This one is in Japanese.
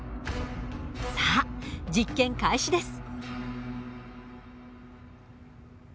さあ実験開始です。